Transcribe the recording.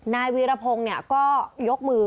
นายวีรพงศ์ก็ยกมือ